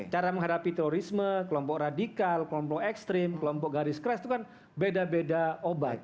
cara menghadapi terorisme kelompok radikal kelompok ekstrim kelompok garis keras itu kan beda beda obat